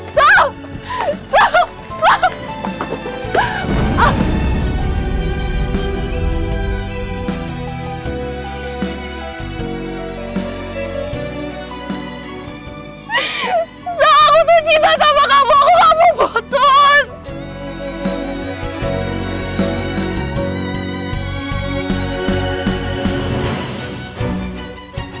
sal sal sal please kamu jangan pergi dulu sal